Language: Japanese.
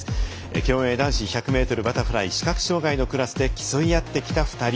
競泳男子１００ｍバタフライ視覚障がいのクラスで競い合ってきた２人。